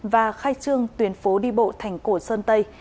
và khai trương tuyến phố đi bộ thành cổ sơn tây